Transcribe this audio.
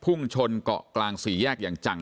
พุ่งชนเกาะกลางศรี่แยกแจ่ง